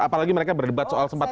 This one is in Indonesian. apalagi mereka berdebat soal sempat